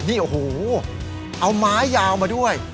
นี่โอ้โหเอาไม้ยาวมาด้วย